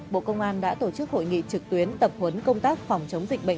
bộ công an đã tổ chức hội nghị trực tuyến tập huấn công tác phòng chống dịch bệnh